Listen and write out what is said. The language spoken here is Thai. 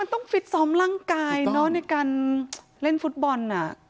ต้องฟิตซ้อมร่างกายเนอะในการเล่นฟุตบอล